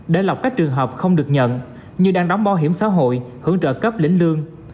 để lọc các trường hợp không được nhận như đang đóng bảo hiểm xã hội hưởng trợ cấp lĩnh lương